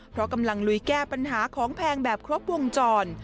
เพราะกำลังลุยแก้ปัญหาของแพงแบบครบวงจร